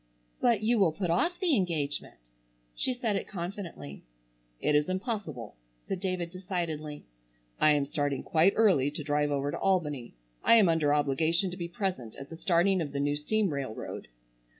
"But you will put off the engagement." She said it confidently. "It is impossible!" said David decidedly. "I am starting quite early to drive over to Albany. I am under obligation to be present at the starting of the new steam railroad."